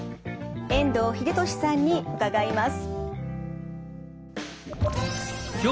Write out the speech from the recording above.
遠藤英俊さんに伺います。